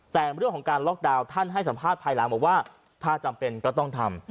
แต่เรื่องของการล็อกดาวน์ท่านให้สัมภาษณ์ภายหลังบอกว่าถ้าจำเป็นก็ต้องทำ